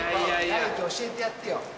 大貴教えてやってよ。